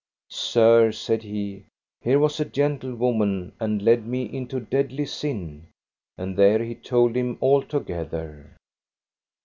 Sir, said he, here was a gentlewoman and led me into deadly sin. And there he told him altogether.